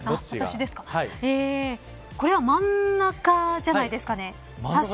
これは真ん中じゃないですかね。